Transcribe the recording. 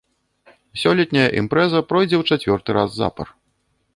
Сёлетняя імпрэза пройдзе ў чацвёрты раз запар.